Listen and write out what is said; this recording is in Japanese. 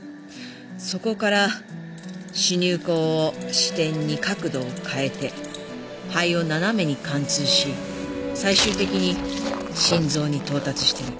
そこから刺入口を支点に角度を変えて肺を斜めに貫通し最終的に心臓に到達してる。